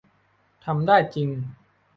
ทำได้จริง